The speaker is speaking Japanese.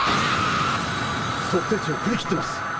測定値を振り切ってます